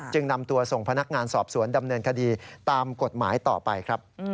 นำตัวส่งพนักงานสอบสวนดำเนินคดีตามกฎหมายต่อไปครับ